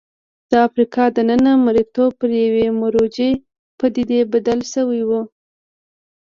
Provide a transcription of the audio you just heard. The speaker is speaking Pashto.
د افریقا دننه مریتوب پر یوې مروجې پدیدې بدل شوی و.